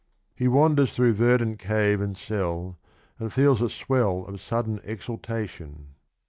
He wanders 43 Diana. through verdant cave and cell, and feels a swell of sudden exaltation.